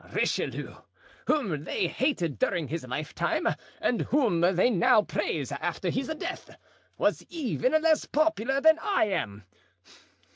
"Richelieu, whom they hated during his lifetime and whom they now praise after his death, was even less popular than I am.